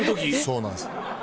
そうなんです。